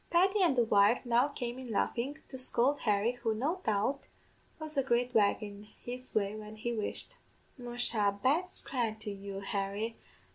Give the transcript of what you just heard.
"Paddy an' the wife now came in laughin', to scould Harry, who, no doubt, was a great wag in his way when he wished. 'Musha, bad scran to you, Harry